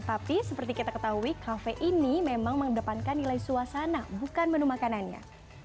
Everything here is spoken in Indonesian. tapi seperti kita ketahui kafe ini memang mengedepankan nilai suasana bukan menu makanannya